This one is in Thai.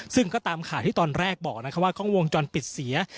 ซึ่งก็ตามข่าวที่ตอนแรกบอกนะครับว่ากล้องวงจรปิดเสีย